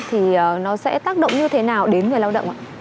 thì nó sẽ tác động như thế nào đến người lao động ạ